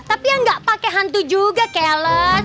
tapi yang gak pake hantu juga keles